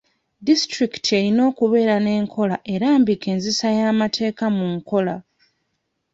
Disitulikiti erina okubeera n'enkola erambika enzisa y' amateeka mu nkola.